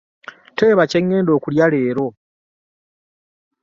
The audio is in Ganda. Teeba kye ŋŋenda okulya leero.